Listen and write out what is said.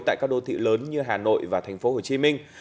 tại các đô thị lớn như hà nội và tp hồ chí minh